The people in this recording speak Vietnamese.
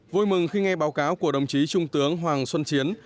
vui mừng khi nghe báo cáo của đồng chí trung tướng hoàng xuân chiến